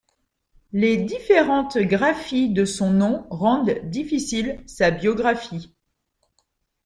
Les différentes graphies de son nom rendent difficiles sa biographie.